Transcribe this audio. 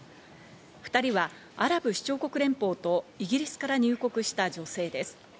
２人はアラブ首長国連邦とイギリスから入国した女性です。